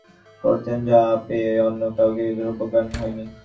এবং এমন আগ্রহভরে সাক্ষাৎ করতেন যা পেয়ে অন্য আর কেউ সৌভাগ্যবান হয়নি।